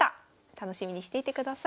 楽しみにしていてください。